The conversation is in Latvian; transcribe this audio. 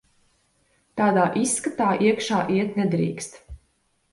Tādā izskatā iekšā iet nedrīkst.